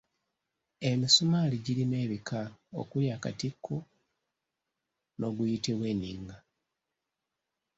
Emisumaali girimu ebika okuli akatiko n'oguyitibwa enninga.